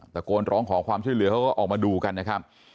ตะโกนร้องขอความช่วยเหลือเขาก็ออกมาดูกันนะครับ